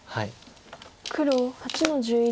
黒８の十一。